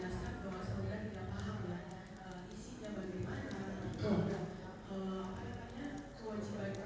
asal yang dibadangkan juga ada